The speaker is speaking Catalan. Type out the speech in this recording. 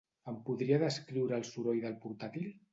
Em podria descriure el soroll del portàtil?